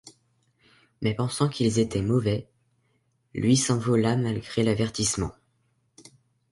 Mais pensant qu'ils étaient mauvais, Lui s'envola malgré l'avertissement.